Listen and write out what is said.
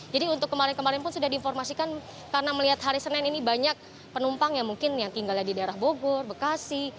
jadi untuk kemarin kemarin pun sudah diinformasikan karena melihat hari senin ini banyak penumpang yang mungkin tinggal di daerah bogor bekasi